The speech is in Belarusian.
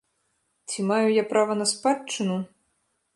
Ці маю я права на спадчыну?